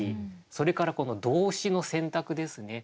それからこの動詞の選択ですね。